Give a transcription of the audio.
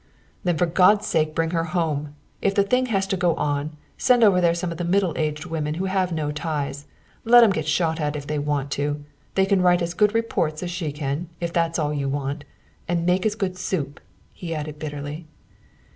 "Then for God's sake bring her home! If the thing has to go on, send over there some of the middle aged women who have no ties. Let 'em get shot if they want to. They can write as good reports as she can, if that's all you want. And make as good soup," he added bitterly.